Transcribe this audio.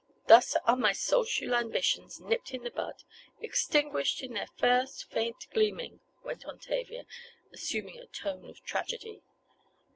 "Thus are my social ambitions nipped in the bud—extinguished in their first, faint gleaming," went on Tavia, assuming a tone of tragedy.